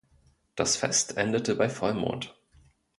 Das Fest endete bei Vollmond.